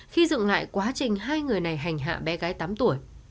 khi dựng lại quá trình hai người này hành hạ bé gái tám tuổi